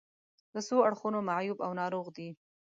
له څو اړخونو معیوب او ناروغ دي.